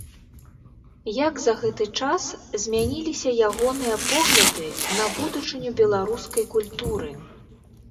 Як за гэты час змяніліся ягоныя погляды на будучыню беларускай культуры?